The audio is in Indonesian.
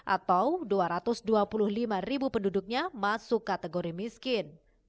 atau dua ratus dua puluh lima ribu penduduknya masuk kategori miskin